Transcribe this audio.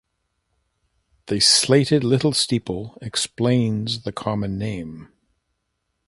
The slated little steeple explains the common name.